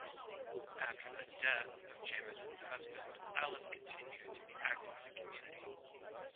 After the death of Jamieson's husband, Alice continued to be active in the community.